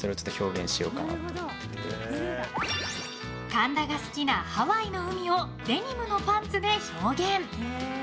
神田が好きなハワイの海をデニムのパンツで表現。